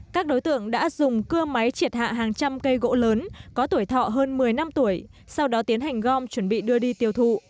các đối tượng đã dùng cưa máy triệt hạ hàng trăm cây gỗ lớn có tuổi thọ hơn một mươi năm tuổi sau đó tiến hành gom chuẩn bị đưa đi tiêu thụ